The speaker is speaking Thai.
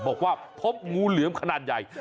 บอกว่าพบงูเหลือมขนาดใหญ่